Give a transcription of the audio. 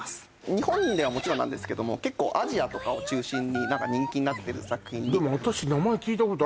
日本ではもちろんなんですけども結構アジアとかを中心に人気になってる作品でも私名前聞いたことあるもん